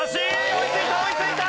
追いついた追いついた！